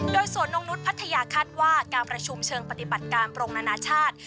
โดยสวนนกนุษย์พัทยาคาดว่าการประชุมเชิงปฏิบัติการปรงนานาชาติ